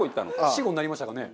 死語になりましたかね？